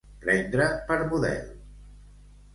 Prendre per model.